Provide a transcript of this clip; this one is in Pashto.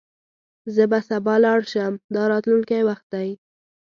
زه به سبا لاړ شم – دا راتلونکی وخت دی.